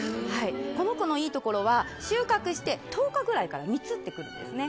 この子のいいところは、収穫して１０日くらいから蜜ってくるんですね。